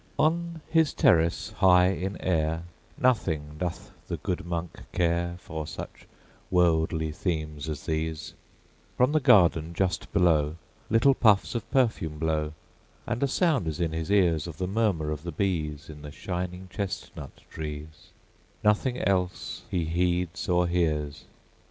On his terrace, high in air, Nothing doth the good monk care For such worldly themes as these, From the garden just below Little puffs of perfume blow, And a sound is in his ears Of the murmur of the bees In the shining chestnut trees; Nothing else he heeds or hears.